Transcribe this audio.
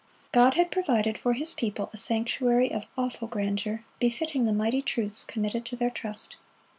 God had provided for His people a sanctuary of awful grandeur, befitting the mighty truths committed to their trust.